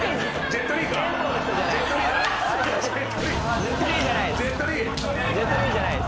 ジェット・リー！